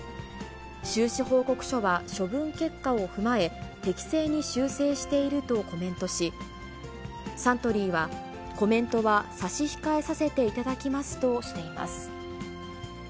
収支報告書は処分結果を踏まえ、適正に修正しているとコメントし、サントリーは、コメントは差し控えさせていただきますとしています。